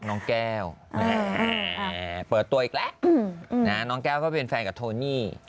น้องแก้วเปิดตัวอีกแล้วน้องแก้วก็เป็นแฟนกับโทนี่